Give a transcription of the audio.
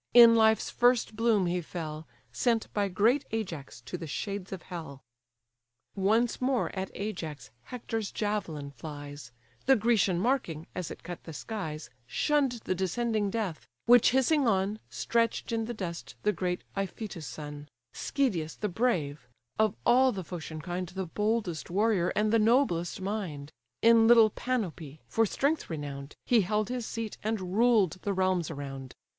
in life's first bloom he fell, Sent by great Ajax to the shades of hell. Once more at Ajax Hector's javelin flies; The Grecian marking, as it cut the skies, Shunn'd the descending death; which hissing on, Stretch'd in the dust the great Iphytus' son, Schedius the brave, of all the Phocian kind The boldest warrior and the noblest mind: In little Panope, for strength renown'd, He held his seat, and ruled the realms around.